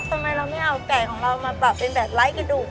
ทำไมเราไม่เอาไก่ของเรามาปรับเป็นแบบไร้กระดูก